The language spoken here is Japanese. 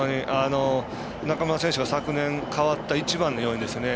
中村選手が変わった一番の要因ですね。